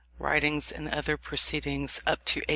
WRITINGS AND OTHER PROCEEDINGS UP TO 1840.